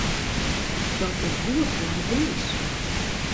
Dat is goed oan 'e priis.